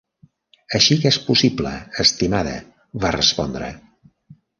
"Així que és possible, estimada", va respondre.